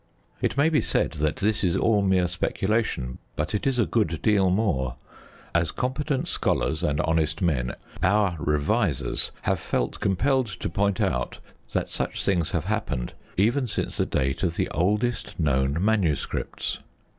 It may be said that this is all mere speculation, but it is a good deal more. As competent scholars and honest men, our revisers have felt compelled to point out that such things have happened even since the date of the oldest known manuscripts.